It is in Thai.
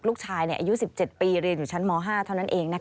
ลูกชายอายุ๑๗ปีเรียนอยู่ชั้นม๕เท่านั้นเอง